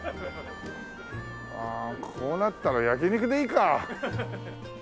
ああこうなったら焼肉でいいか。